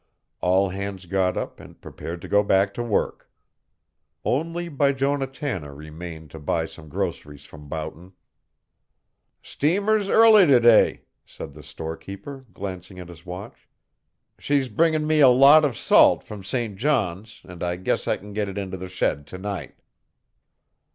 All hands got up and prepared to go back to work. Only Bijonah Tanner remained to buy some groceries from Boughton. "Steamer's early to day," said the storekeeper, glancing at his watch. "She's bringin' me a lot of salt from St. John's, and I guess I can get it into the shed to night."